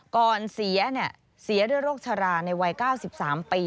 ก่อนเสียเสียด้วยโรคชราในวัย๙๓ปี